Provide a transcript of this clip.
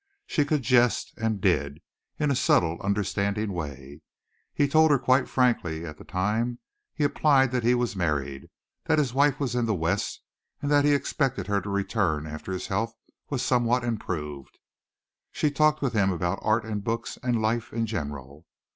She could jest, and did, in a subtle understanding way. He told her quite frankly at the time he applied that he was married, that his wife was in the West and that he expected her to return after his health was somewhat improved. She talked with him about art and books and life in general.